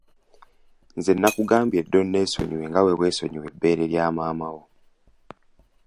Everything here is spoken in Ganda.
Nze nakugambye dda onneesonyiwe nga bwe weesonyiwa ebbeere lya maama wo.